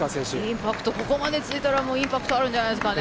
ここまでついたらもうインパクトあるんじゃないですかね。